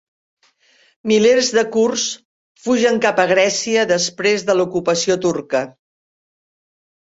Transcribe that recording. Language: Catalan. Milers de kurds fugen cap a Grècia després de l'ocupació turca